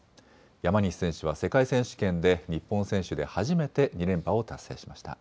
山西選手は世界選手権で日本選手で初めて２連覇を達成しました。